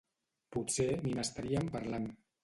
Potser ni n'estarien parlant.